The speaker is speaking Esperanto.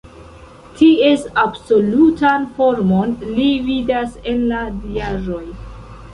Ties absolutan formon li vidas en la diaĵoj.